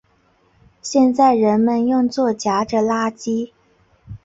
现在人们用作夹着垃圾。